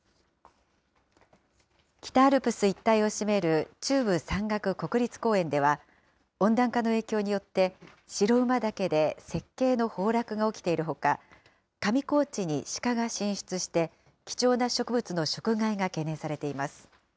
北アルプス一帯を占める中部山岳国立公園では、温暖化の影響によって、白馬岳で雪渓の崩落が起きているほか、上高地にシカが進出して、貴重な植物の食害が懸念されています。